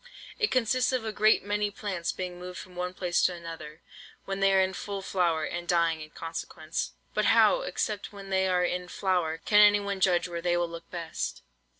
It consists of a great many plants being moved from one place to another, when they are in full flower, and dying in consequence. (But how, except when they are in flower, can anyone judge where they will look best?)